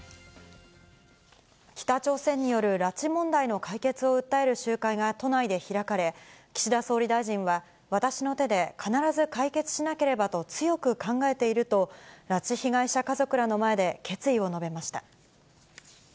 北朝鮮による拉致問題の解決を訴える集会が都内で開かれ、岸田総理大臣は、私の手で必ず解決しなければと強く考えていると、拉致被害者家族らの前で決意を述べました。